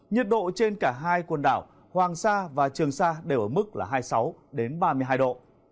nhiệt độ trên cả hai quần đảo hoàng sa và trường sa đều ở mức là hai mươi sáu ba mươi hai độ